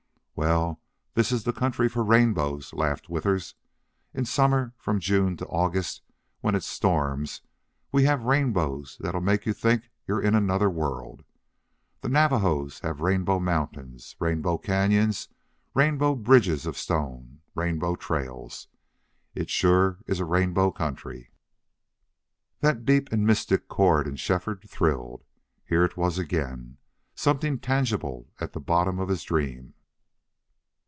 "Well, this is the country for rainbows," laughed Withers. "In summer from June to August when it storms we have rainbows that'll make you think you're in another world. The Navajos have rainbow mountains, rainbow canyons, rainbow bridges of stone, rainbow trails. It sure is rainbow country." That deep and mystic chord in Shefford thrilled. Here it was again something tangible at the bottom of his dream.